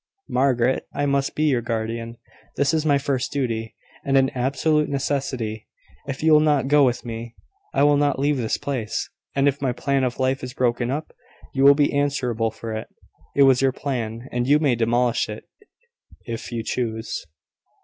Margaret, I must be your guardian. This is my first duty, and an absolute necessity. If you will not go with me, I will not leave this place: and if my plan of life is broken up, you will be answerable for it. It was your plan, and you may demolish it if you choose."